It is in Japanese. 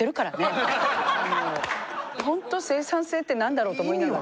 ほんと生産性って何だろうと思いながら。